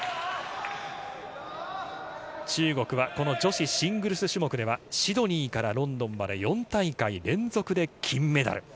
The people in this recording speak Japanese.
中国は女子シングルスではシドニーからロンドンまで４大会連続で金メダル。